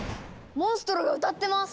モンストロが歌ってます！